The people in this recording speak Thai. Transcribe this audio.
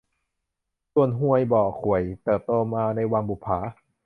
ส่วนฮวยบ่อข่วย เติบโตมาในวังบุปฝา